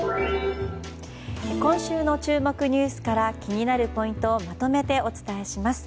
今週の注目ニュースから気になるポイントをまとめてお伝えします。